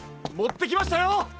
もってきましたよ！